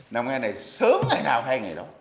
làm ngay này sớm ngày nào hay ngày đó